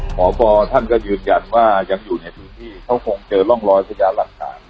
ภอพท่านก็ยืนยันว่าอย่างอยู่ในพื้นที่เขาคงเจอร่องรอยสยาหรัฐการณ์